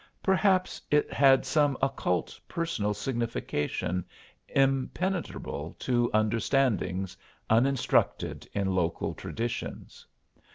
Perhaps it had some occult personal signification impenetrable to understandings uninstructed in local traditions.